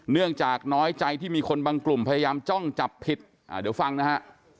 เนื่องจากน้อยใจที่มีคนบางกลุ่มพยายามจ้องจับผิดเดี๋ยวฟังนะฮะ